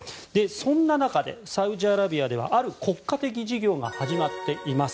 そんな中でサウジアラビアではある国家的事業が始まっています。